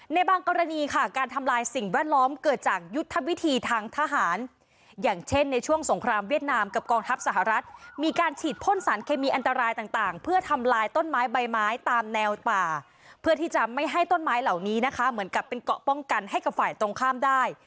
ในบางกรณีค่ะการทำลายสิ่งแวดล้อมเกิดจากยุทธวิธีทางทหารอย่างเช่นในช่วงสงครามเวียดนามกับกองทัพสหรัฐมีการฉีดพ่นสารเคมีอันตรายต่างเพื่อทำลายต้นไม้ใบไม้ตามแนวป่าเพื่อที่จะไม่ให้ต้นไม้เหล่านี้นะคะเหมือนกับเป็นเกาะป้องกันให้กับฝ่ายตรงข้ามได้